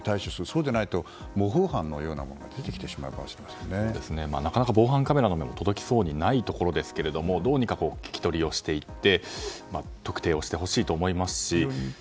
そうでないと模倣犯みたいなものがなかなか防犯カメラの目も届きそうにありませんがどうにか聞き取りして特定をしてほしいと思いますし。